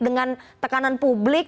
dengan tekanan publik